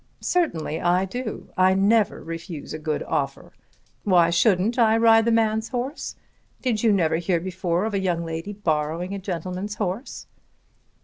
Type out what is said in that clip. "Certainly I do. I never refuse a good offer. Why shouldn't I ride the man's horse? Did you never hear before of a young lady borrowing a gentleman's horse?"